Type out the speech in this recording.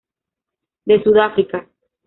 De Sudáfrica.